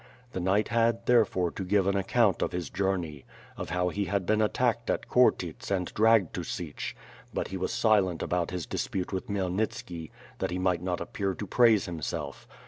The knight had, therefore, to give an account of his journey; of how he had been attacked at Khortyts and dragged to Sich; but he was silent about his dispute with Khmyelnitski, that he might not appear to praise himself.